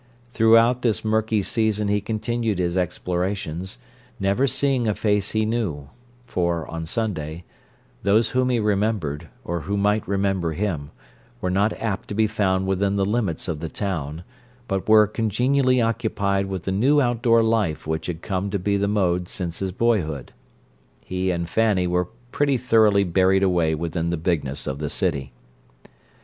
Throughout this murky season he continued his explorations, never seeing a face he knew—for, on Sunday, those whom he remembered, or who might remember him, were not apt to be found within the limits of the town, but were congenially occupied with the new outdoor life which had come to be the mode since his boyhood. He and Fanny were pretty thoroughly buried away within the bigness of the city.